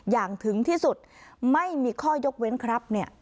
อย่างถึงที่สุดไม่มีข้อยกเว้นครับ